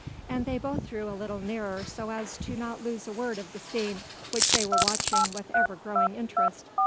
And they both drew a little nearer so as not to lose a word of the scene which they were watching with ever growing interest.